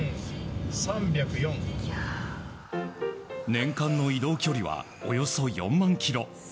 年間の移動距離はおよそ４万ｋｍ。